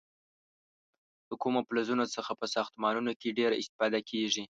د کومو فلزونو څخه په ساختمانونو کې ډیره استفاده کېږي؟